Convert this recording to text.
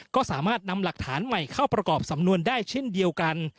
ก็สามารถนำหลักฐานใหม่เข้าประกอบสำนวนได้เช่นเดียวกัน